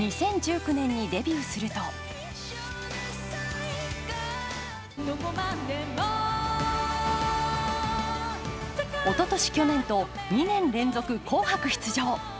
２０１９年にデビューするとおととし、去年と２年連続「紅白」出場。